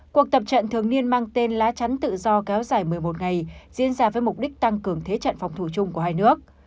cuộc tập trận thường niên mang tên lá chắn tự do kéo dài một mươi một ngày diễn ra với mục đích tăng cường thế trận phòng thủ chung của hai nước